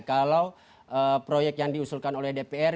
kalau proyek yang diusulkan oleh dpr